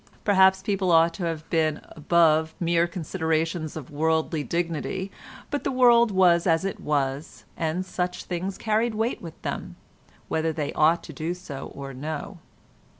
Perhaps people ought to have been above mere considerations of worldly dignity, but the world was as it was, and such things carried weight with them, whether they ought to do so or no.